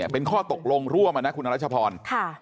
เป็นข้อตกลงร่วมนะคุณอรัชพร